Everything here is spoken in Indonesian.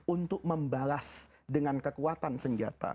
untuk membalas dengan kekuatan senjata